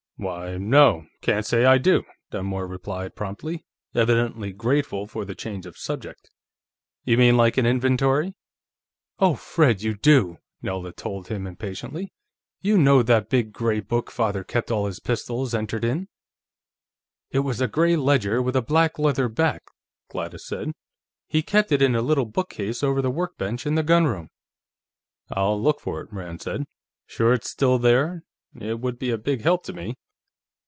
"Why, no; can't say I do," Dunmore replied promptly, evidently grateful for the change of subject. "You mean, like an inventory?" "Oh, Fred, you do!" Nelda told him impatiently. "You know that big gray book Father kept all his pistols entered in." "It was a gray ledger, with a black leather back," Gladys said. "He kept it in the little bookcase over the workbench in the gunroom." "I'll look for it," Rand said. "Sure it's still there? It would be a big help to me."